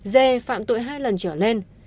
d phạm tội hai lần